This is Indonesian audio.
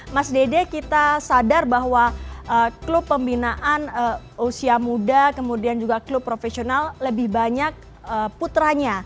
mas dede kita sadar bahwa klub pembinaan usia muda kemudian juga klub profesional lebih banyak putranya